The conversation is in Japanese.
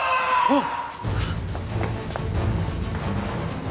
あっ！